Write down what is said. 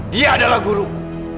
dia adalah guruku